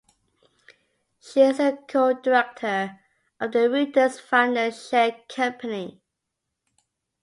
She is a co-director of the Reuters Founders Share Company.